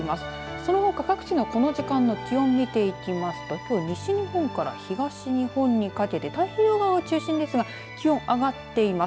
そのほか各地のこの時間の気温を見ていきますと、きょうは西日本から東日本にかけて太平洋側を中心ですが気温が上がっています。